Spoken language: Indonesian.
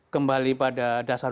kembali pada dasar